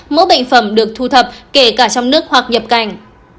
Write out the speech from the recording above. mẫu bệnh phẩm được thu thập kể cả trong nước hoặc nhập cảnh